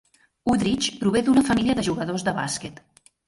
Udrich prové d"una família de jugadors de bàsquet.